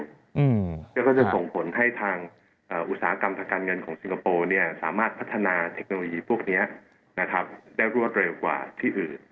แล้วก็จะส่งผลให้ทางอุตสาหกรรมทางการเงินของสิงคโปร์สามารถพัฒนาเทคโนโลยีพวกนี้ได้รวดเร็วกว่าที่อื่น